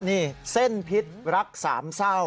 นี่เส้นพิษรักสามเศร้า